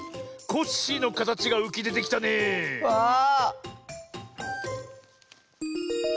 コッシーのかたちがうきでてきたねえ。